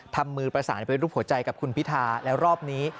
มือประสานเป็นรูปหัวใจกับคุณพิธาแล้วรอบนี้